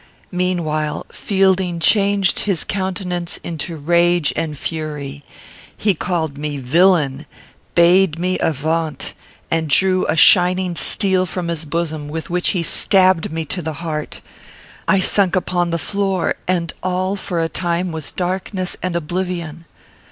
Meanwhile, Fielding changed his countenance into rage and fury. He called me villain! bade me avaunt! and drew a shining steel from his bosom, with which he stabbed me to the heart. I sunk upon the floor, and all, for a time, was darkness and oblivion!